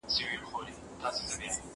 زه اجازه لرم چي ليکنې وکړم؟!